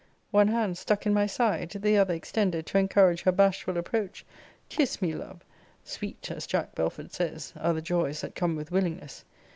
One hand stuck in my side, the other extended to encourage her bashful approach Kiss me, love! sweet, as Jack Belford says, are the joys that come with willingness.